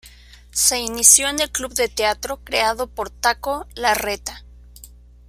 Se inició en el Club de Teatro creado por Taco Larreta.